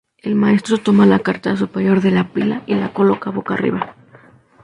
El Maestro toma la carta superior de la pila y la coloca boca arriba.